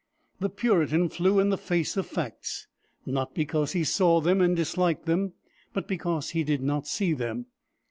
The Puritan flew in the face of facts, not because he saw them and disliked them, but because he did not see them.